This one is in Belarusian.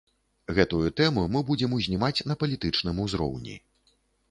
Гэтую тэму мы будзем узнімаць на палітычным узроўні.